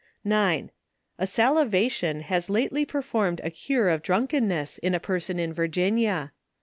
ARDENT SPIRITS. 29 9. A salivation has lately performed a cure of drunk enness in a person in Virginia.